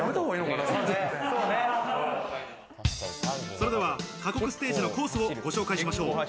それでは過酷ステージのコースをご紹介しましょう。